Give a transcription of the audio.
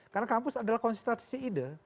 karena kampus adalah konsentrasi ide